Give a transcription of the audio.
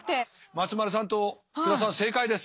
松丸さんと福田さん正解です。